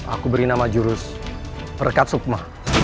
aku beri nama jurus perkat sukma